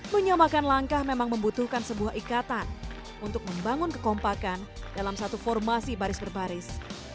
menyamakan langkah memang membutuhkan sebuah ikatan untuk membangun kekompakan dalam satu formasi baris berbaris